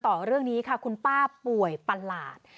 ต่อเรื่องนี้ค่ะคุณป้าป่วยประหลาด